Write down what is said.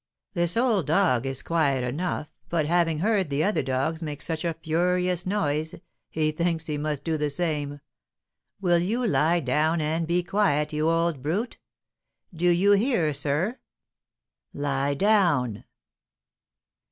"This old dog is quiet enough, but, having heard the other dogs make such a furious noise, he thinks he must do the same. Will you lie down and be quiet, you old brute? Do you hear, sir? lie down!"